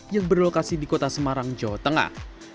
yang berlokasi di kota semarang jawa tengah